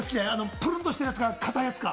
ぷるんとしてるやつか、硬いやつか。